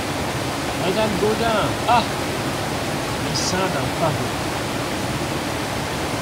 Madame Gaudin Ah ! le sein d'un pavot !